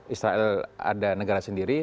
israel ada negara sendiri